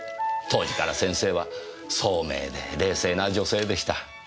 当時から先生は聡明で冷静な女性でした。